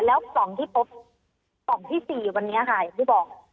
แล้วปล่องที่พบปล่องที่๔วันนี้ค่ะอย่างที่บอก